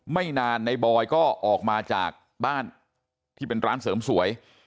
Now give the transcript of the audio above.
ไม่นานในบอยก็ออกมาจากบ้านที่เป็นร้านเสริมสวย